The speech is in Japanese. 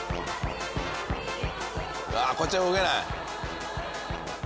あっこっちは動けない。